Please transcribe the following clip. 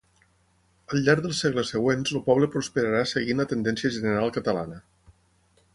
Al llarg dels segles següents el poble prosperà seguint la tendència general catalana.